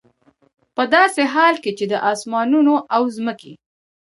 په داسي حال كي چي د آسمانونو او زمكي